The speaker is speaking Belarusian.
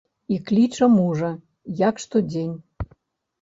І кліча мужа, як штодзень.